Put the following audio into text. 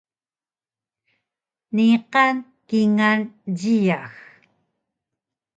Niqan kingal jiyax